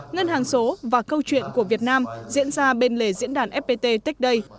ngân hàng số và câu chuyện của việt nam diễn ra bên lề diễn đàn fpt tech day